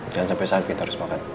jangan sampai sakit harus makan